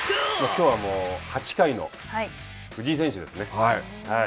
きょうはもう８回の藤井選手ですね。